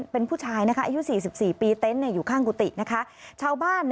เป็นผู้ชายนะคะอายุศีสิบสี่ปีเต้นอยู่ข้างกุตินะคะ